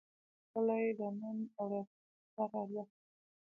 کلي د نن او راتلونکي لپاره ارزښت لري.